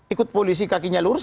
ikut polisi kakinya lurus